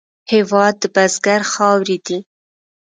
هېواد د بزګر خاورې دي.